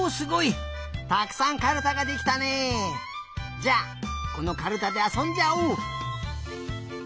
じゃこのカルタであそんじゃおう。